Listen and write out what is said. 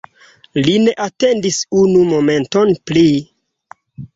Li ne atendis unu momenton pli.